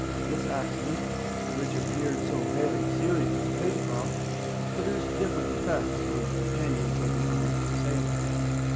This accident, which appeared so very serious to Pencroft, produced different effects on the companions of the honest sailor.